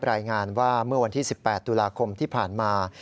รายงานว่าเมื่อวันที่๑๘ตุลาคมที่ผ่านมา